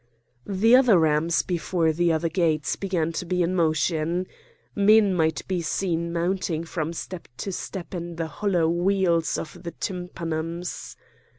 The other rams before the other gates began to be in motion. Men might be seen mounting from step to step in the hollow wheels of the tympanums.